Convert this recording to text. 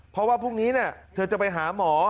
เพราะว่าพรุ่งนี้เธอจะไปหาหมอ